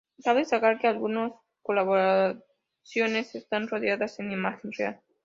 Cabe destacar que algunas colaboraciones están rodadas en imagen real.